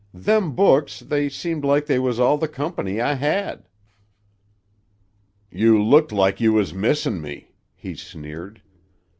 "Them books, they seemed like they was all the company I hed." "You looked like you was missin' me," he sneered.